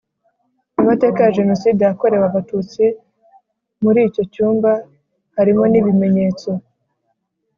amateka ya Jenoside yakorewe Abatutsi Muri icyo cyumba harimo n ibimenyetso